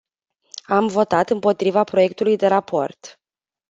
Am votat împotriva proiectului de raport..